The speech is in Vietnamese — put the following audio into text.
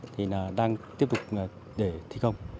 thì đang tiếp tục để thi công